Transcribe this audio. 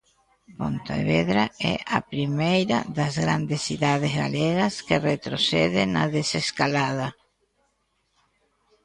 Pontevedra é a primeira das grandes cidades galegas que retrocede na desescalada.